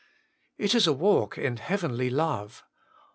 It is a walk in heavenly love.